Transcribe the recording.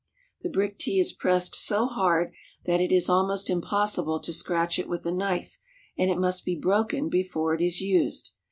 The brick tea is pressed so hard that it is almost impossible to scratch it with a knife, and it must be broken before it is used.